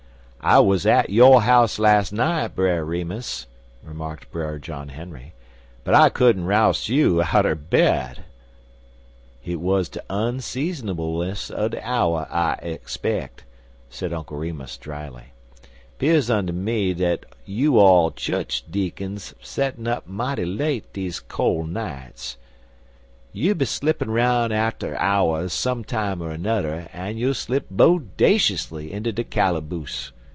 "I wuz at yo' house las' night, Brer Remus," remarked Brer John Henry, "but I couldn't roust you outer bed." "Hit was de unseasonableness er de hour, I speck," said Uncle Remus, dryly. "'Pears unto me dat you all chu'ch deacons settin' up mighty late deze col' nights. You'll be slippin' round arter hours some time er nudder, an you'll slip bodaciously inter de calaboose.